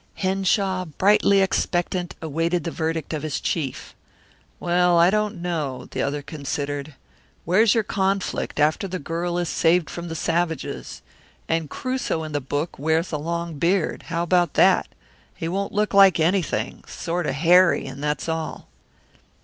Henshaw, brightly expectant, awaited the verdict of his chief. "Well I don't know." The other considered. "Where's your conflict, after the girl is saved from the savages? And Crusoe in the book wears a long beard. How about that? He won't look like anything sort of hairy, and that's all."